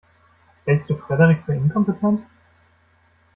Hältst du Frederik für inkompetent?